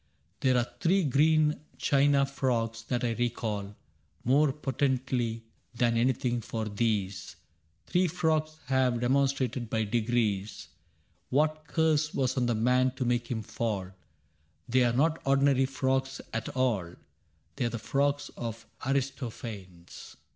There are three green china frogs that I recall More potently than anything^ for these Three frogs have demonstrated^ by degrees^ What curse was on the man to make him fall: ^They are not ordinary frogs at all^ They are the Frogs of Aristophanes.